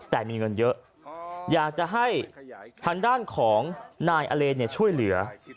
แต่มีเงินเยอะอยากจะให้ทางด้านของนายอเลนช่วยเหลือ